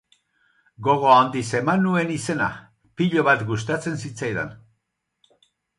Gogo handiz eman nuen izena, pilo bat gustatzen zitzaidan.